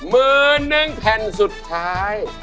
มือหนึ่งแผ่นสุดท้าย